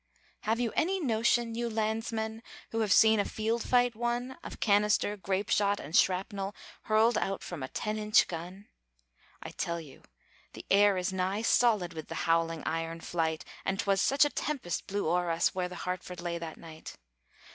Have you any notion, you landsmen, Who have seen a field fight won, Of canister, grape shot, and shrapnel Hurled out from a ten inch gun? I tell you, the air is nigh solid With the howling iron flight; And 'twas such a tempest blew o'er us Where the Hartford lay that night.